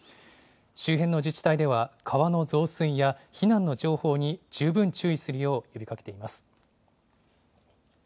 周辺の自治体では川の増水や避難の情報に十分注意するよう呼びかけています。